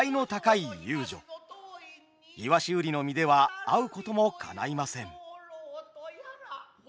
鰯売りの身では会うこともかないません。